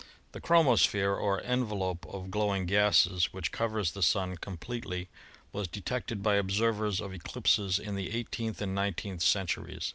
The chromosphere or envelope of glowing gases which covers the Sun completely was detected by observers of eclipses in the eighteenth and nineteenth centuries.